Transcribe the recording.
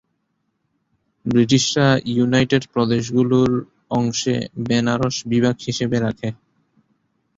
ব্রিটিশরা ইউনাইটেড প্রদেশগুলির অংশে বেনারস বিভাগ হিসাবে রাখে।